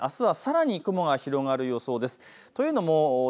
あすはさらに雲が広がる予想です。